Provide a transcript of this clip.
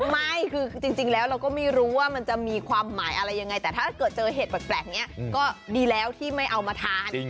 ไม่คือจริงแล้วเราก็ไม่รู้ว่ามันจะมีความหมายอะไรยังไงแต่ถ้าเกิดเจอเห็ดแปลกนี้ก็ดีแล้วที่ไม่เอามาทาน